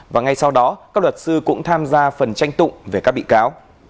và ngay sau đó các luật sư cũng tham gia phần tranh tụng về các bị cáo